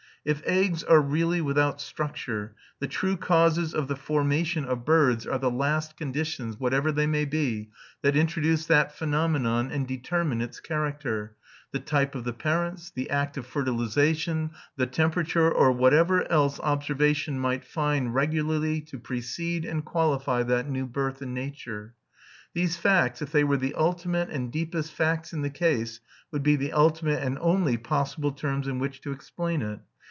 If eggs are really without structure, the true causes of the formation of birds are the last conditions, whatever they may be, that introduce that phenomenon and determine its character the type of the parents, the act of fertilisation, the temperature, or whatever else observation might find regularly to precede and qualify that new birth in nature. These facts, if they were the ultimate and deepest facts in the case, would be the ultimate and only possible terms in which to explain it.